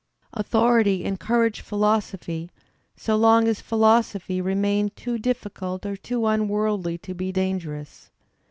Authority encouraged philosophy so long as philosophy re mained too diflScult or too unworldly to be dangerous.